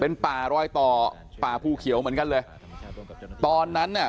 เป็นป่ารอยต่อป่าภูเขียวเหมือนกันเลยตอนนั้นเนี่ย